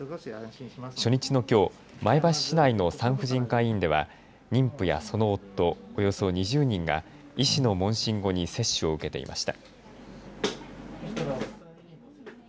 初日のきょう、前橋市内の産婦人科医院では妊婦やその夫、およそ２０人が医師の問診後に接種を受けていました。